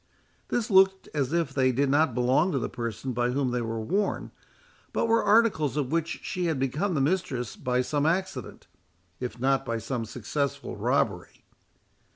This looked as if they did not belong to the person by whom they were worn, but were articles of which she had become the mistress by some accident, if not by some successful robbery.